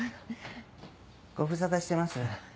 ご無沙汰してます。